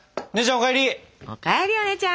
お帰りお姉ちゃん。